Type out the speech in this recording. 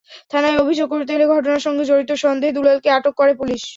থানায় অভিযোগ করতে এলে ঘটনার সঙ্গে জড়িত সন্দেহে দুলালকে আটক করে পুলিশ।